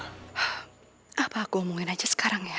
apa aku omongin aja sekarang ya